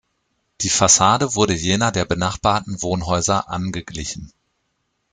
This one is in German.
Die Fassade wurde jener der benachbarten Wohnhäuser angeglichen.